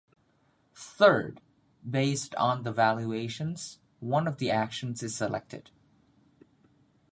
Third, based on the valuations, one of the actions is selected.